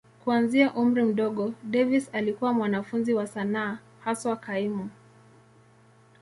Kuanzia umri mdogo, Davis alikuwa mwanafunzi wa sanaa, haswa kaimu.